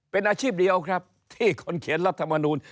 เป็นอาชีพเดียวครับที่คนเขียนรัฐมนูล